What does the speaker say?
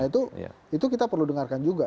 nah itu kita perlu dengarkan juga